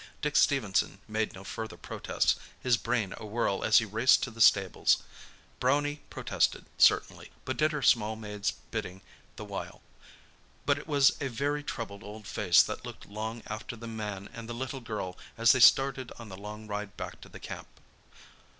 Dick Stephenson made no further protests, his brain awhirl as he raced to the stables. Brownie protested certainly, but did her small maid's bidding the while. But it was a very troubled old face that looked long after the man and the little girl, as they started on the long ride back to the camp.